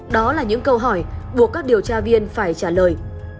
đó là những câu hỏi buộc các điều tra viên phải trả lời